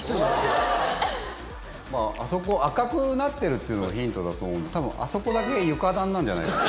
まああそこ赤くなってるっていうのヒントだと思うんでたぶんあそこだけ床暖なんじゃ。